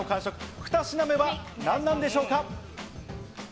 ２品目は何なんでしょうか。